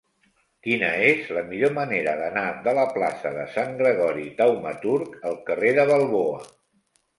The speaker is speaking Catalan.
Quina és la millor manera d'anar de la plaça de Sant Gregori Taumaturg al carrer de Balboa?